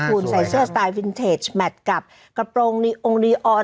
คุณใส่เสื้อสไตล์วินเทจแมทกับกระโปรงรีออน